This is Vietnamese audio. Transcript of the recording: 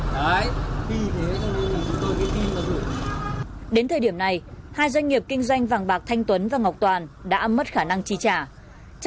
trong khi đó tất cả doanh nghiệp kinh doanh vàng bạc thanh tuấn và ngọc toàn đã mất khả năng trí trả